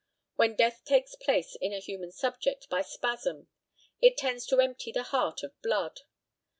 When death takes place in a human subject by spasm it tends to empty the heart of blood.